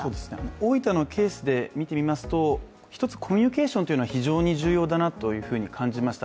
大分のケースで見てみますとコミュニケーションというのは一つ非常に重要だなと思いました。